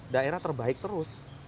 daerah terbaik terus